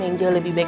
yang jauh lebih baik